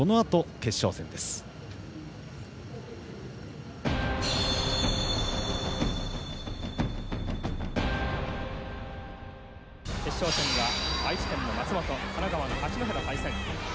決勝戦は愛知県の松本神奈川の八戸の対戦。